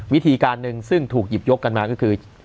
วิธีการหนึ่งซึ่งถูกหยิบยกกันมาก็คือ